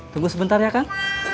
tunggu sebentar ya kang